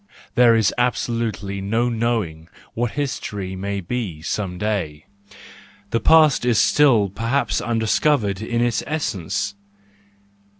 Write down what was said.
There is ab¬ solutely no knowing what history may be some day. The past is still perhaps undiscovered in its essence!